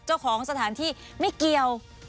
เจ้าของสถานที่ไม่เกี่ยว